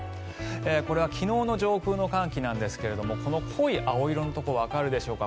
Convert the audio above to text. これは昨日の上空の寒気なんですがこの濃い青色のところわかるでしょうか